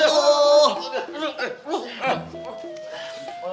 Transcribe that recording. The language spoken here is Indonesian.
sampai jumpa lagi